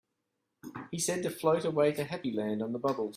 He said to float away to Happy Land on the bubbles.